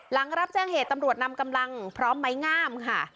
หลังรับแจ้งเหตุตำรวจนำกำลังพร้อมไม้งามค่ะ